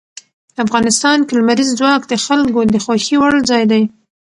افغانستان کې لمریز ځواک د خلکو د خوښې وړ ځای دی.